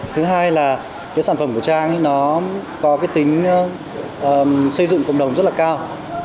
thứ hai là cái sản phẩm của trang ấy nó có cái tính xây dựng cộng đồng rất là cao